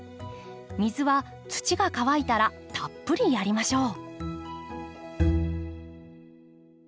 水は土が乾いたらたっぷりやりましょう。